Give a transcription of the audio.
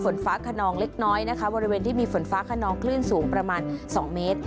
ฝนฟ้าขนองเล็กน้อยนะคะบริเวณที่มีฝนฟ้าขนองคลื่นสูงประมาณ๒เมตร